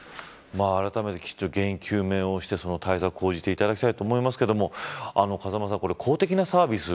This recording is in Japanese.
あらためて原因究明をしてその対策を講じていただきたいと思いますが風間さん、公的なサービス